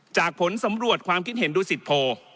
จากผลสำรวจความคิดเห็นดูสิทธิ์โพล